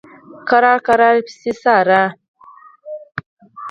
کرار کرار یې پسې څاره.